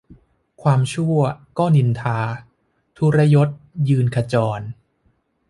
ความชั่วก็นินทา ทุรยศยืนขจร